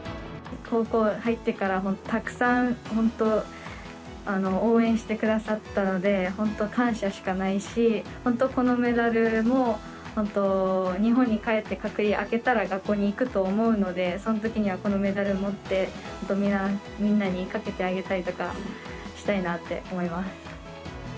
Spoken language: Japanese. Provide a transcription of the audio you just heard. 高校入ってから、たくさん本当、応援してくださったので、本当感謝しかないし、本当、このメダルも、本当、日本に帰って、隔離明けたら学校に行くと思うので、そのときにはこのメダル持って、本当、みんなにかけてあげたりとかしたいなって思います。